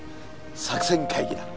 作戦会議だ。